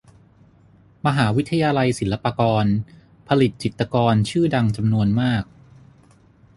มหาวิทยาลัยศิลปากร ผลิตจิตรกรชื่อดังจำนวนมาก